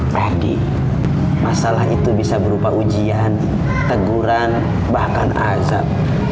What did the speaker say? ferdi masalah itu bisa berupa ujian teguran bahkan azab